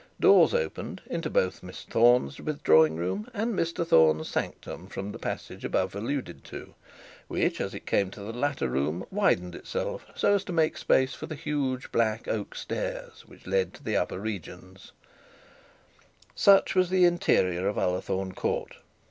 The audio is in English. Doors opened into both Miss Thorne's withdrawing room and Mr Thorne's sanctum from the passage above alluded to; which, as it came to the latter room, widened itself so as to make space for the huge black oak stairs, which led to the upper region. Such was the interior of Ullathorne Court.